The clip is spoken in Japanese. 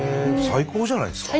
最高じゃないですか。